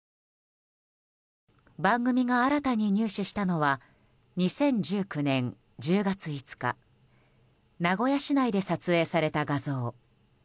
番組が新たに入手したのは２０１９年１０月５日名古屋市内で撮影された画像。